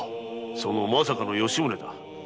その“まさか”の吉宗だ。